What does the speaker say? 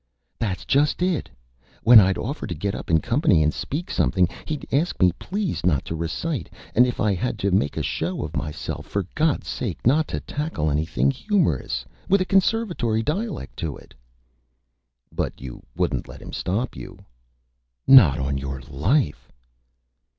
"That's just it. When I'd offer to get up in Company and speak Something he'd ask me please not to Recite, and if I had to make a Show of myself, for God's Sake not to tackle anything Humorous, with a Conservatory Dialect to it." "But you wouldn't let him Stop you?" "Not on your Life."